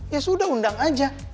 ya sudah undang aja